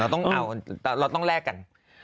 ต้องเอาเราต้องแลกกัน